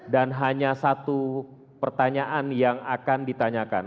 dan hanya satu pertanyaan yang akan ditanyakan